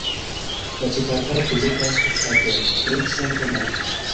La ĉefaltaro prezentas skulptaĵon pri Sankta Maria.